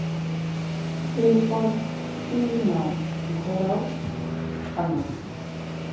এরপর তীর নাও, ঘোরাও, টানো।